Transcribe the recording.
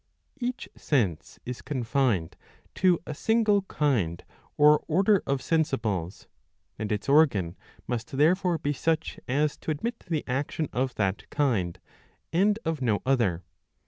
Each sense is confined to a single kind or order of sensibles, and its organ must therefore be such as to admit the action of that kind, and [of no other.